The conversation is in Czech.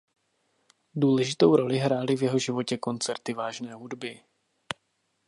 Důležitou roli hrály v jeho životě koncerty vážné hudby.